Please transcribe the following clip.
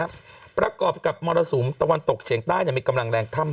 คระครับประกอบกับมทรศูมิตะวันตกเพียงใต้อยู่ไม่กำลังแรงทำ